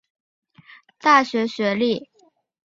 大学学历。